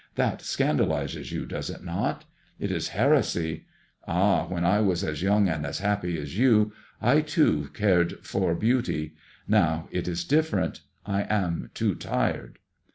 That scandalizes youy does it not ? It is heresy. Ah I when I was as young and as happy as you, I too cared for beauty. Now, it is different. I am too tired."